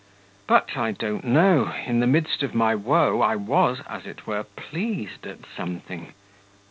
But I don't know in the midst of my woe I was, as it were, pleased at something....